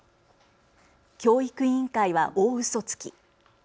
教育委員会は大ウソつき。